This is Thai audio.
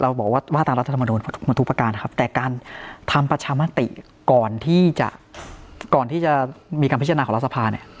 เราบอกว่าทางรัฐมนุมทุกประการนะครับแต่การทำประชามติก่อนที่จะมีความพิจารณาของรัฐภัณฑ์